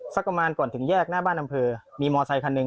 สักประมาณก่อนถึงแยกหน้าบ้านอำเภอมีมอเซคันหนึ่ง